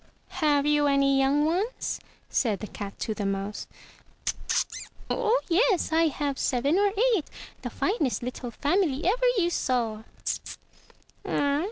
"Have you any young ones?*' said the cat to the mouse. "Oh yes, I have seven or eight, the finest little family ever you saw."